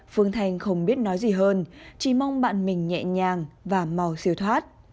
phương thành không biết nói gì hơn chỉ mong bạn mình nhẹ nhàng và mò siêu thoát